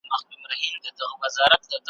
د تور منځ کي د دانو په غونډولو `